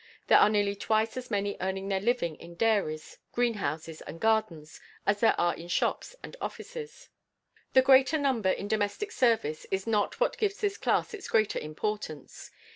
There are nearly twice as many earning their living in dairies, greenhouses, and gardens as there are in shops and offices. The greater number in domestic service is not what gives this class its greater importance.